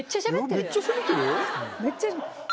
めっちゃ。